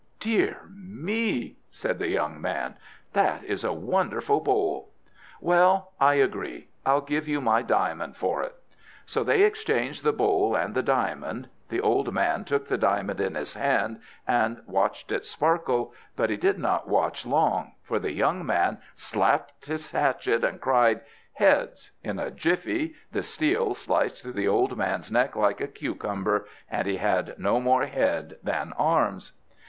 "Dear me!" said the young man, "that is a wonderful bowl. Well, I agree; I'll give you my diamond for it." So they exchanged the bowl and the diamond. The old man took the diamond in his hand and watched it sparkle; but he did not watch long, for the young man slapped his hatchet and cried, "Heads!" In a jiffy the steel sliced through the old man's neck like a cucumber, and he had no more head than arms.